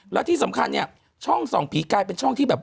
แล้วที่สำคัญเนี่ยช่องส่องผีกลายเป็นช่องที่แบบ